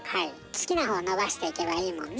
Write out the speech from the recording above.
好きな方伸ばしていけばいいもんね。